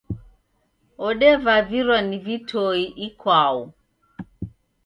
Odevavirwa ni vitoe ikwau.